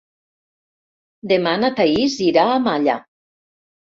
Demà na Thaís irà a Malla.